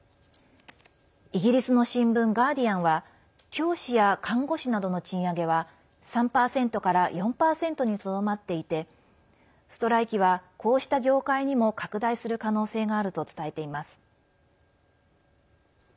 イギリスの新聞ガーディアンは教師や看護師などの賃上げは３％から４％にとどまっていてストライキはこうした業界にも拡大する可能性があると伝えています。